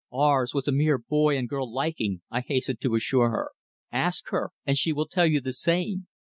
"Ours was a mere boy and girl liking," I hastened to assure her. "Ask her, and she will tell you the same.